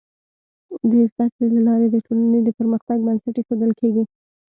د زده کړې له لارې د ټولنې د پرمختګ بنسټ ایښودل کيږي.